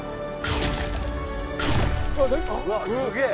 うわっすげえ。